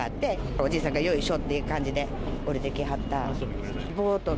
おじいさんがよいしょって感じで、降りてきはった。